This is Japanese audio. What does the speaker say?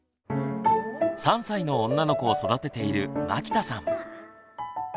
３歳の女の子を育てている牧田さん。